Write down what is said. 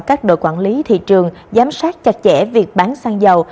các đội quản lý thị trường giám sát chặt chẽ việc bán xăng dầu